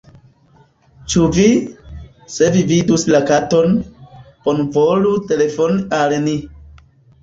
Ĉu vi... se vi vidus la katon, bonvolu telefoni al ni."